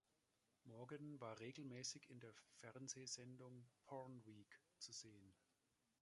Morgan war regelmäßig in der Fernsehsendung "Porn Week" zu sehen.